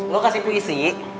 lo kasih puisi